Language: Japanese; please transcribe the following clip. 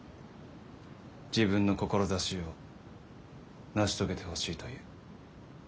自分の志を成し遂げてほしいという。